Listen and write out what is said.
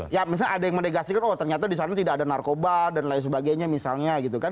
ya misalnya ada yang mendegasikan oh ternyata di sana tidak ada narkoba dan lain sebagainya misalnya gitu kan